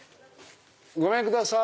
ごめんください！